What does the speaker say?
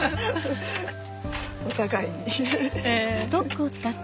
お互いに。